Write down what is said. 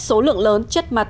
số lượng lớn